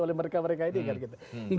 oleh mereka mereka ini kan gitu